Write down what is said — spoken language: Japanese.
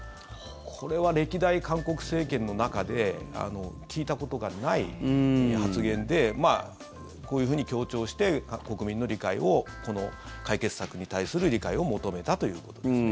これは歴代韓国政権の中で聞いたことがない発言でこういうふうに強調して国民の理解をこの解決策に対する理解を求めたということですね。